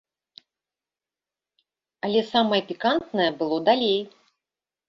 Але самае пікантнае было далей.